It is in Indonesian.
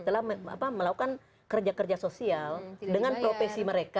telah melakukan kerja kerja sosial dengan profesi mereka